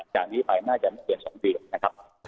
จากนี้ไปน่าจะไม่เกิน๒ปี